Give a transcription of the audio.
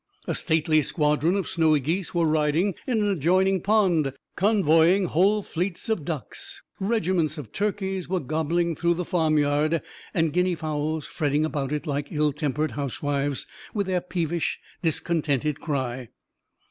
A stately squadron of snowy geese were riding in an adjoining pond, convoying whole fleets of ducks; regiments of turkeys were gobbling through the farmyard, and guinea fowls fretting about it like ill tempered housewives, with their peevish, discontented cry.